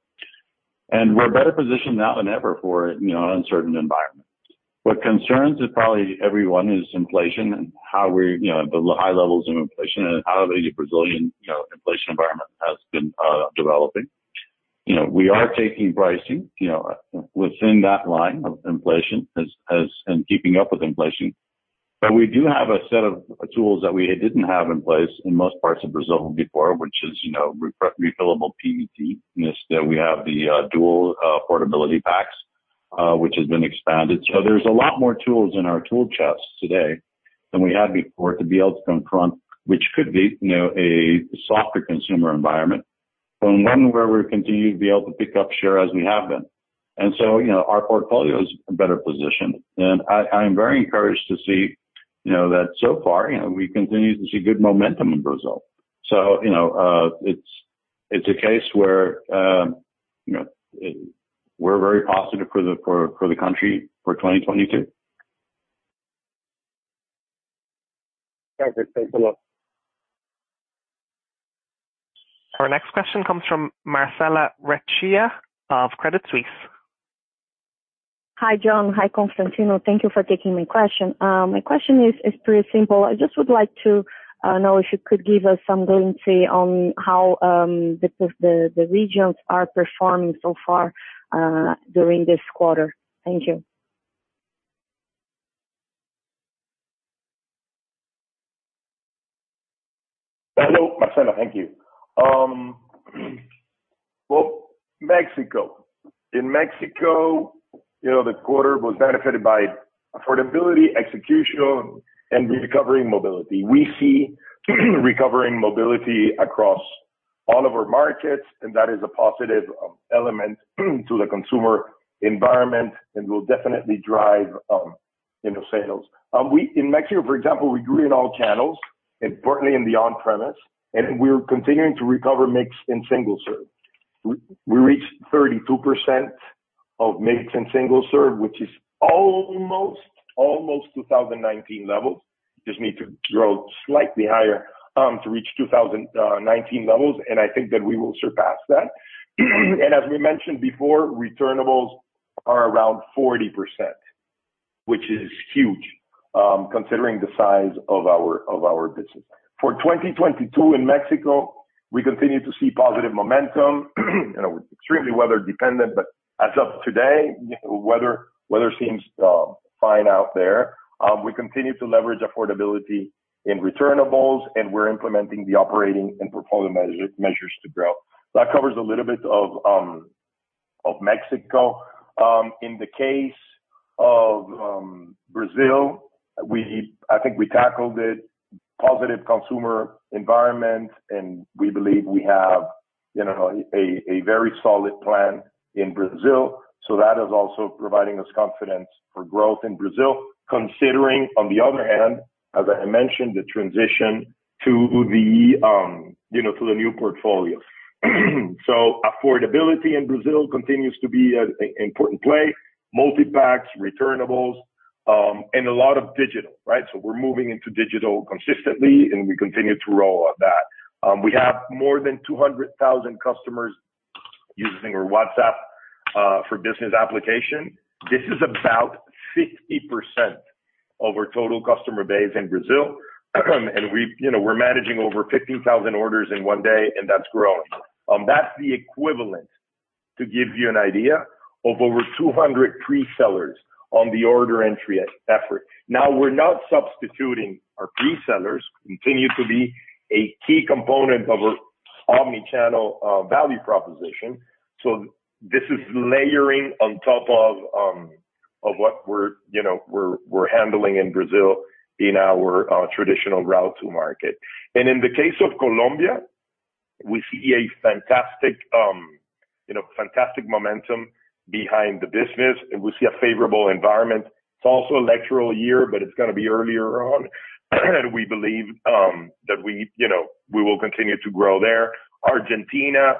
And we're better positioned now than ever for, you know, uncertain environment. What concerns probably everyone is inflation and how we're, you know, the high levels of inflation and how the Brazilian, you know, inflation environment has been developing. You know, we are taking pricing, you know, within that line of inflation as, and keeping up with inflation. But we do have a set of tools that we didn't have in place in most parts of Brazil before, which is, you know, refillable PET. Yes, we have the dual portability packs, which has been expanded. So there's a lot more tools in our tool chest today than we had before, to be able to confront, which could be, you know, a softer consumer environment, but one where we continue to be able to pick up share as we have been. And so, you know, our portfolio is in better position. And I'm very encouraged to see, you know, that so far, you know, we continue to see good momentum in Brazil. So, you know, it's a case where, you know, we're very positive for the country for 2022. Perfect. Thanks a lot. Our next question comes from Marcella Recchia of Credit Suisse. Hi, John. Hi, Constantino. Thank you for taking my question. My question is pretty simple. I just would like to know if you could give us some glimpse on how the regions are performing so far during this quarter. Thank you. Hello, Marcella. Thank you. Well, in Mexico, you know, the quarter was benefited by affordability, executional and recovering mobility. We see recovering mobility across all of our markets, and that is a positive element to the consumer environment and will definitely drive you know sales. We in Mexico, for example, we grew in all channels, importantly, in the on-premise, and we're continuing to recover mix in single-serve. We reached 32% of mix in single-serve, which is almost 2019 levels. Just need to grow slightly higher to reach 2019 levels, and I think that we will surpass that, and as we mentioned before, returnables are around 40%, which is huge considering the size of our business. For 2022 in Mexico, we continue to see positive momentum, and we're extremely weather dependent, but as of today, weather seems fine out there. We continue to leverage affordability in returnables, and we're implementing the operating and portfolio measures to grow. That covers a little bit of Mexico. In the case of Brazil, I think we tackled it. Positive consumer environment, and we believe we have, you know, a very solid plan in Brazil. So that is also providing us confidence for growth in Brazil, considering, on the other hand, as I mentioned, the transition to the new portfolios. So affordability in Brazil continues to be an important play, multipacks, returnables, and a lot of digital, right? So we're moving into digital consistently, and we continue to roll out that. We have more than 200,000 customers using our WhatsApp for business application. This is about 50% of our total customer base in Brazil. You know, we're managing over 15,000 orders in one day, and that's growing. That's the equivalent, to give you an idea, of over 200 pre-sellers on the order entry effort. Now, we're not substituting. Our pre-sellers continue to be a key component of our omni-channel value proposition. So this is layering on top of what we're, you know, handling in Brazil in our traditional route to market. In the case of Colombia, we see a fantastic, you know, fantastic momentum behind the business, and we see a favorable environment. It's also electoral year, but it's gonna be earlier on. We believe that we, you know, we will continue to grow there. Argentina,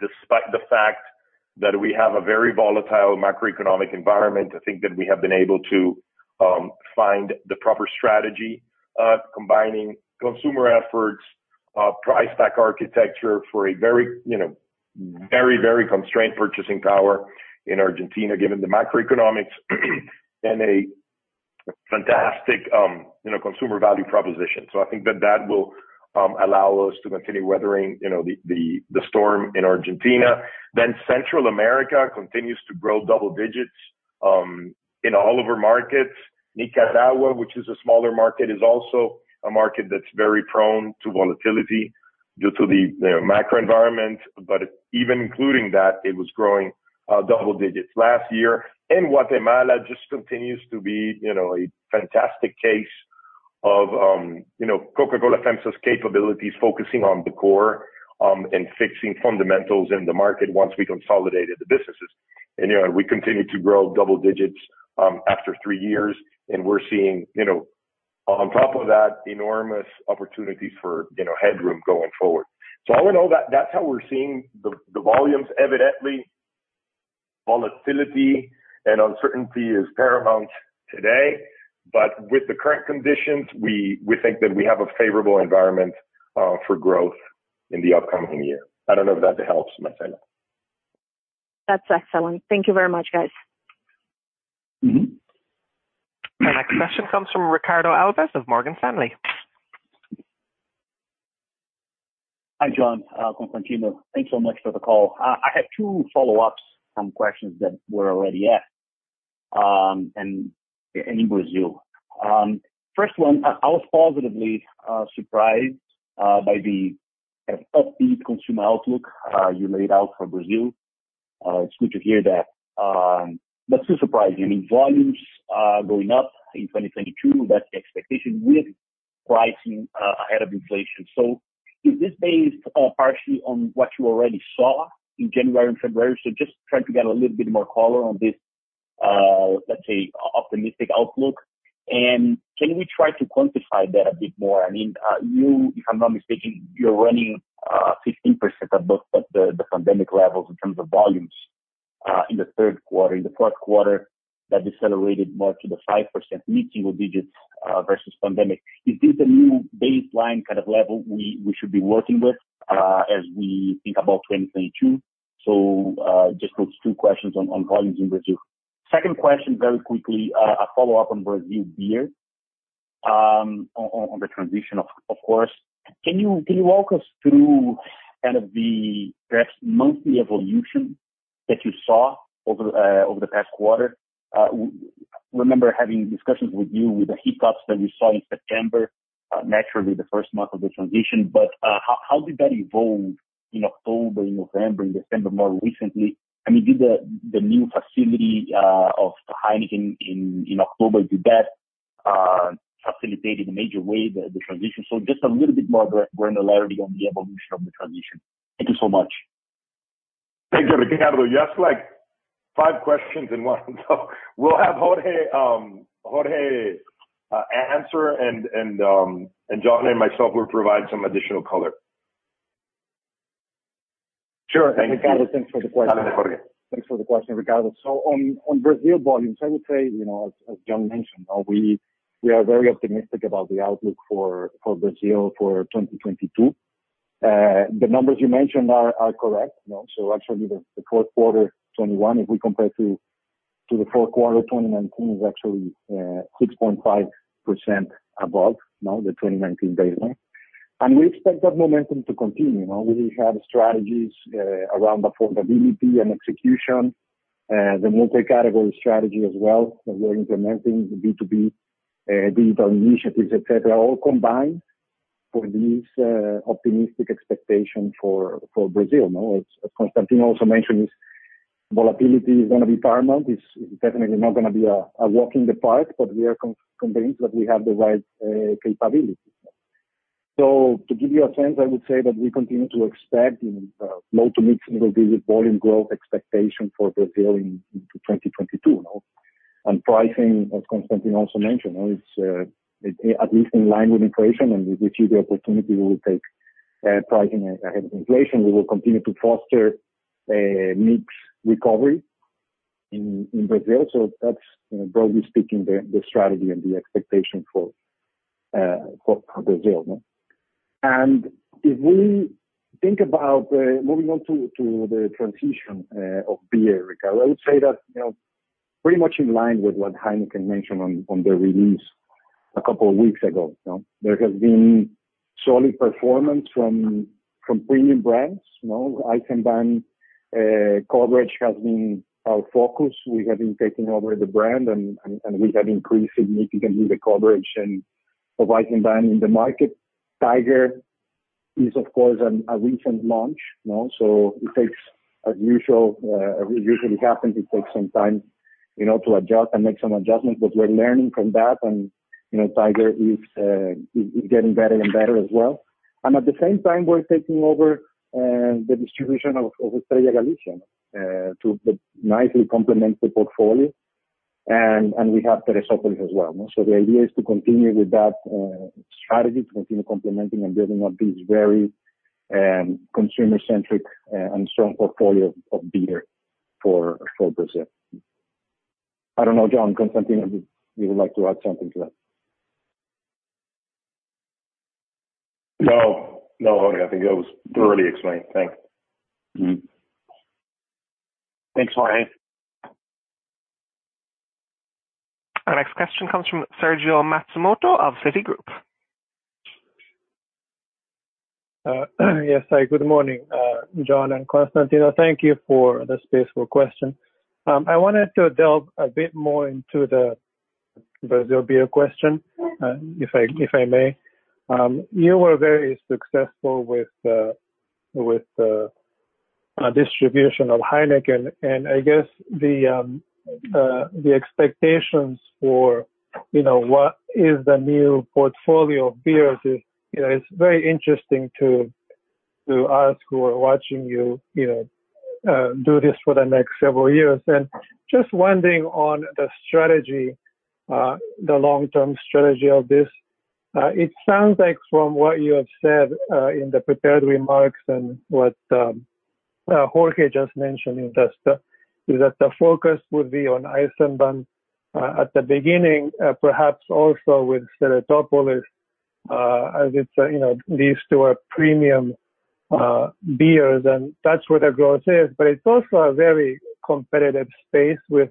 despite the fact that we have a very volatile macroeconomic environment, I think that we have been able to find the proper strategy, combining consumer efforts, price-pack architecture for a very, you know, very, very constrained purchasing power in Argentina, given the macroeconomics, and a fantastic consumer value proposition. I think that that will allow us to continue weathering, you know, the storm in Argentina. Central America continues to grow double digits in all of our markets. Nicaragua, which is a smaller market, is also a market that's very prone to volatility due to the macro environment, but even including that, it was growing double digits last year. Guatemala just continues to be, you know, a fantastic case of, you know, Coca-Cola FEMSA's capabilities, focusing on the core, and fixing fundamentals in the market once we consolidated the businesses. You know, we continue to grow double digits, after three years, and we're seeing, you know, on top of that, enormous opportunities for, you know, headroom going forward. I would know that that's how we're seeing the volumes. Evidently, volatility and uncertainty is paramount today, but with the current conditions, we think that we have a favorable environment, for growth in the upcoming year. I don't know if that helps, Marcella. That's excellent. Thank you very much, guys. Mm-hmm. Our next question comes from Ricardo Alves of Morgan Stanley. Hi, John, Constantino. Thanks so much for the call. I had two follow-ups, some questions that were already asked, and in Brazil. First one, I was positively surprised by the kind of upbeat consumer outlook you laid out for Brazil. It's good to hear that, but still surprising. I mean, volumes going up in 2022, that's the expectation with pricing ahead of inflation. So is this based partially on what you already saw in January and February, so just trying to get a little bit more color on this, let's say, optimistic outlook, and can we try to quantify that a bit more? I mean, you, if I'm not mistaken, you're running 15% above the pandemic levels in terms of volumes in the third quarter. In the fourth quarter, that decelerated more to the 5%, mid-single digits, versus pandemic. Is this a new baseline kind of level we should be working with, as we think about 2022? Just those two questions on volumes in Brazil. Second question, very quickly, a follow-up on Brazil beer, on the transition, of course. Can you walk us through kind of the perhaps monthly evolution that you saw over the past quarter? Remember having discussions with you with the hiccups that you saw in September, naturally, the first month of the transition. But, how did that evolve in October, in November, in December, more recently? I mean, did the new facility of Heineken in October do that, facilitated in a major way the transition? So just a little bit more granularity on the evolution of the transition. Thank you so much. Thanks, Ricardo. You asked, like, five questions in one, so we'll have Jorge answer, and John and myself will provide some additional color. Sure. Thank you. Thanks for the question. Thanks for the question, Ricardo. So on Brazil volumes, I would say, you know, as John mentioned, we are very optimistic about the outlook for Brazil for 2022. The numbers you mentioned are correct, you know, so actually the fourth quarter 2021, if we compare to the fourth quarter 2019, is actually 6.5% above, you know, the 2019 baseline. And we expect that momentum to continue, you know. We have strategies around affordability and execution, the multi-category strategy as well, that we're implementing the B2B digital initiatives, et cetera, all combined for these optimistic expectation for Brazil. Now, as Constantino also mentioned, this volatility is gonna be paramount. It's definitely not gonna be a walk in the park, but we are convinced that we have the right capabilities. So to give you a sense, I would say that we continue to expect low to mid single-digit volume growth expectation for Brazil into 2022, you know. And pricing, as Constantino also mentioned, it's at least in line with inflation, and if we see the opportunity, we will take pricing ahead of inflation. We will continue to foster a mix recovery in Brazil. So that's, you know, broadly speaking, the strategy and the expectation for Brazil. If we think about moving on to the transition of beer, Ricardo, I would say that, you know, pretty much in line with what Heineken mentioned on the release a couple of weeks ago, you know. There has been solid performance from premium brands, you know. Heineken coverage has been our focus. We have been taking over the brand and we have increased significantly the coverage and providing brand in the market. Tiger is, of course, a recent launch, you know, so it takes some time, as usual, to adjust and make some adjustments, but we're learning from that. You know, Tiger is getting better and better as well. At the same time, we're taking over the distribution of Estrella Galicia to nicely complement the portfolio, and we have Therezópolis as well, you know? So the idea is to continue with that strategy, to continue complementing and building up this very consumer-centric and strong portfolio of beer for Brazil. I don't know, John, Constantino, would you like to add something to that? No. No, Jorge, I think that was thoroughly explained. Thanks. Mm-hmm. Thanks, Jorge. Our next question comes from Sergio Matsumoto of Citigroup. Yes, hi, good morning, John and Constantino. Thank you for the space for question. I wanted to delve a bit more into the Brazil beer question, if I may. You were very successful with distribution of Heineken, and I guess the expectations for, you know, what is the new portfolio of beers is, you know, is very interesting to us who are watching you, you know, do this for the next several years. And just wondering on the strategy, the long-term strategy of this. It sounds like from what you have said in the prepared remarks and what Jorge just mentioned is that the focus would be on Eisenbahn at the beginning, perhaps also with Therezópolis, as it's, you know, leads to a premium beers, and that's where the growth is. But it's also a very competitive space with,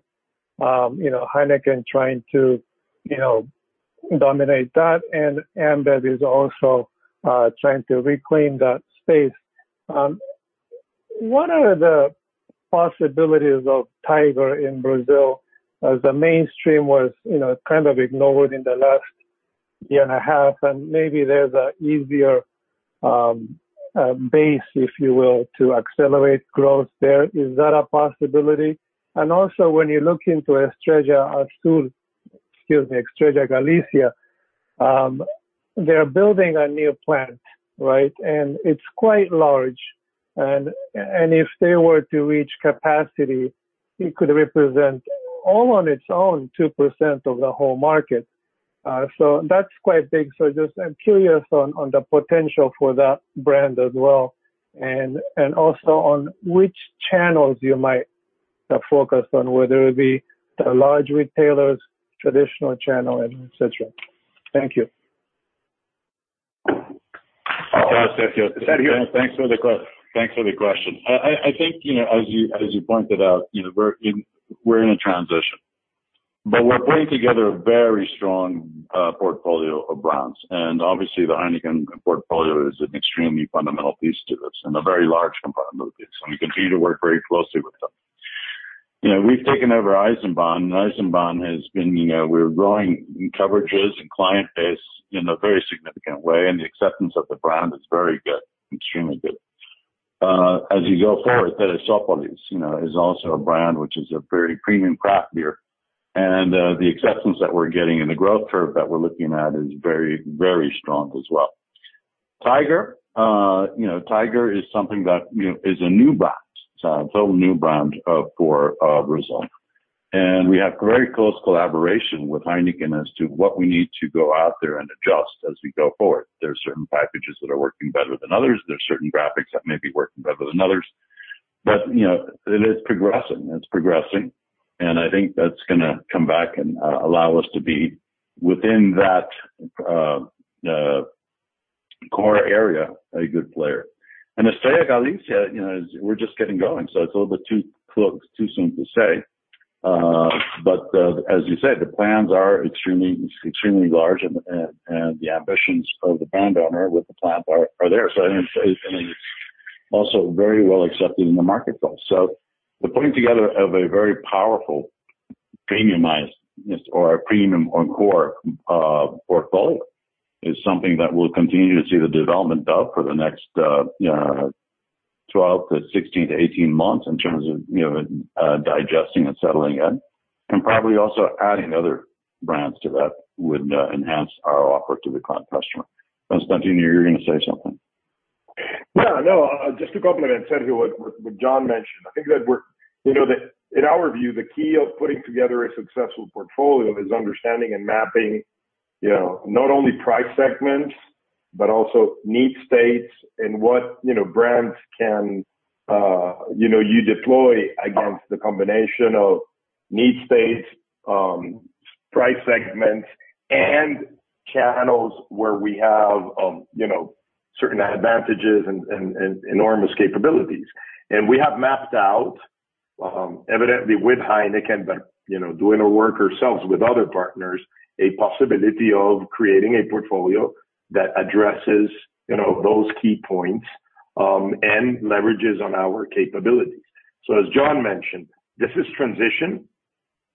you know, Heineken trying to, you know, dominate that, and that is also trying to reclaim that space. What are the possibilities of Tiger in Brazil, as the mainstream was, you know, kind of ignored in the last year and a half, and maybe there's a easier base, if you will, to accelerate growth there. Is that a possibility? And also, when you look into Estrella Artois, excuse me, Estrella Galicia, they're building a new plant, right? It's quite large. If they were to reach capacity, it could represent all on its own 2% of the whole market. That's quite big. Just I'm curious on the potential for that brand as well, and also on which channels you might focus on, whether it be the large retailers, traditional channel, and et cetera. Thank you. Hi, Sergio. Thanks for the question. I think, you know, as you pointed out, you know, we're in a transition, but we're putting together a very strong portfolio of brands. And obviously, the Heineken portfolio is an extremely fundamental piece to this and a very large component of this, and we continue to work very closely with them. You know, we've taken over Eisenbahn, and Eisenbahn has been, you know, we're growing in coverages and client base in a very significant way, and the acceptance of the brand is very good, extremely good. As you go forward, Therezópolis, you know, is also a brand which is a very premium craft beer, and the acceptance that we're getting and the growth curve that we're looking at is very, very strong as well. Tiger, you know, Tiger is something that, you know, is a new brand. It's a total new brand for Brazil. And we have very close collaboration with Heineken as to what we need to go out there and adjust as we go forward. There are certain packages that are working better than others. There are certain graphics that may be working better than others. But, you know, it is progressing. It's progressing, and I think that's gonna come back and allow us to be within that core area, a good player. And Estrella Galicia, you know, is we're just getting going, so it's a little bit too close, too soon to say. But as you said, the plans are extremely, extremely large and the ambitions of the brand owner with the plan are there. So I think it's also very well accepted in the marketplace. So the putting together of a very powerful premiumized or a premium and core, portfolio, is something that we'll continue to see the development of for the next, 12-16-18 months in terms of, you know, digesting and settling in, and probably also adding other brands to that would, enhance our offer to the client customer. Constantino, you were gonna say something? Yeah, no, just to complement, Sergio, what John mentioned, I think that we're, you know, that in our view, the key of putting together a successful portfolio is understanding and mapping, you know, not only price segments, but also need states and what, you know, brands can, you know, you deploy against the combination of need states, price segments, and channels where we have, you know, certain advantages and enormous capabilities. And we have mapped out evidently with Heineken, but, you know, doing our work ourselves with other partners, a possibility of creating a portfolio that addresses, you know, those key points, and leverages on our capabilities. So as John mentioned, this is transition.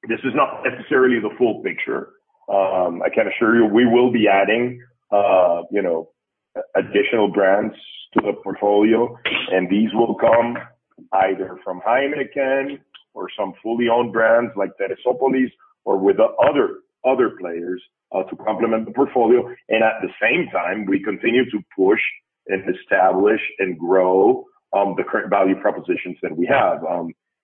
This is not necessarily the full picture. I can assure you, you know, we will be adding additional brands to the portfolio, and these will come either from Heineken or some fully owned brands like Therezópolis or with other players to complement the portfolio. And at the same time, we continue to push and establish and grow the current value propositions that we have.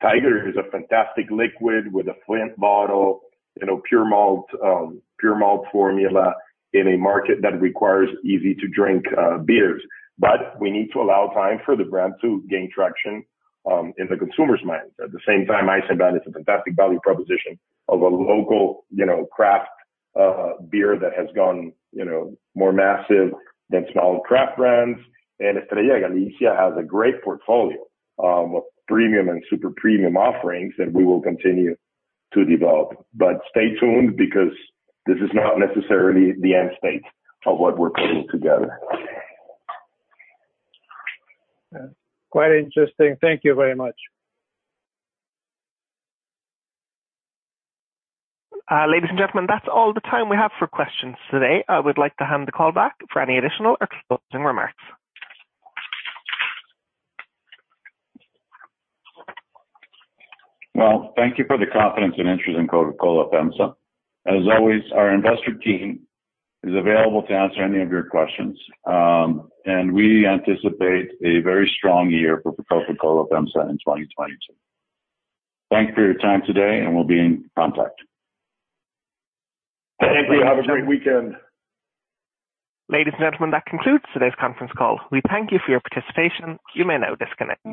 Tiger is a fantastic liquid with a flint bottle, you know, pure malt formula in a market that requires easy-to-drink beers. But we need to allow time for the brand to gain traction in the consumer's minds. At the same time, Eisenbahn is a fantastic value proposition of a local, you know, craft beer that has gone, you know, more massive than small craft brands. Estrella Galicia has a great portfolio of premium and super premium offerings that we will continue to develop. Stay tuned, because this is not necessarily the end state of what we're putting together. Quite interesting. Thank you very much. Ladies and gentlemen, that's all the time we have for questions today. I would like to hand the call back for any additional closing remarks. Thank you for the confidence and interest in Coca-Cola FEMSA. As always, our investor team is available to answer any of your questions, and we anticipate a very strong year for Coca-Cola FEMSA in 2022. Thank you for your time today, and we'll be in contact. Thank you. Have a great weekend. Ladies and gentlemen, that concludes today's conference call. We thank you for your participation. You may now disconnect.